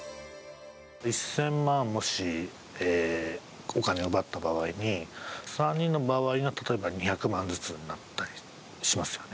１０００万もし、お金を奪った場合に３人の場合は、例えば２００万円ずつだったりしますよね。